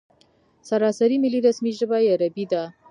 سراسري ملي رسمي ژبه یې عربي ده.